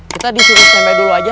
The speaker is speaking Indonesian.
kita disini standby dulu aja